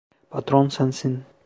Patron sensin.